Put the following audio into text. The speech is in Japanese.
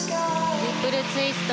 トリプルツイスト。